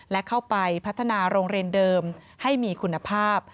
และเข้าไปพัฒนาโรงเรียนเดิมให้มีคุณภาพ